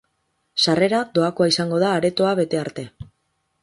Sarrera doakoa izango da aretoa bete arte.